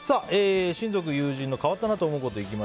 親族・友人の変わったなぁと思ったことです。